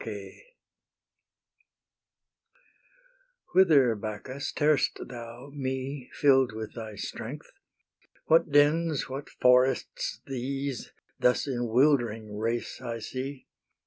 Whither, Bacchus, tear'st thou me, Fill'd with thy strength? What dens, what forests these, Thus in wildering race I see?